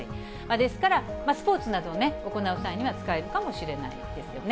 ですから、スポーツなどを行う際には使えるかもしれないですよね。